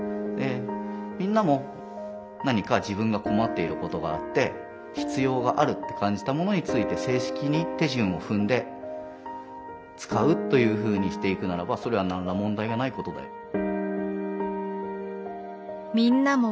でみんなも何か自分が困っていることがあって必要があるって感じたものについて正式に手順を踏んで使うというふうにしていくならばそれは何ら問題がないことだよ。